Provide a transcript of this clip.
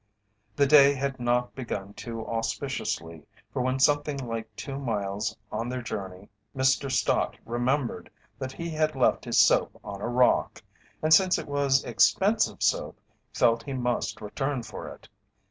The day had not begun too auspiciously, for when something like two miles on their journey Mr. Stott remembered that he had left his soap on a rock, and since it was expensive soap felt he must return for it.